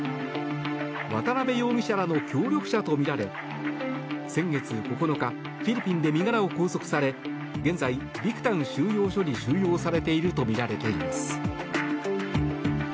渡邉容疑者らの協力者とみられ先月９日、フィリピンで身柄を拘束され現在、ビクタン収容所に収容されているとみられています。